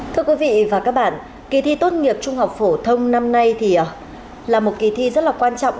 thưa quý vị và các bạn kỳ thi tốt nghiệp trung học phổ thông năm nay thì là một kỳ thi rất là quan trọng